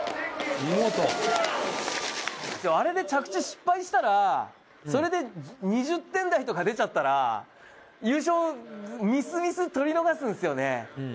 あれで着地失敗したら、それで２０点台とか出ちゃったら優勝みすみす取り逃がすんですよね。